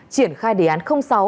triển khai đề án sáu